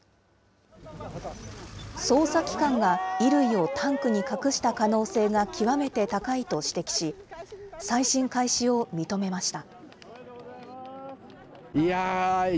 捜査機関が衣類をタンクに隠した可能性が極めて高いと指摘し、再審開始を認めました。